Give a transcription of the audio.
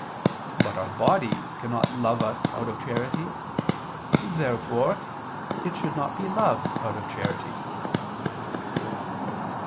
But our body cannot love us out of charity. Therefore it should not be loved out of charity.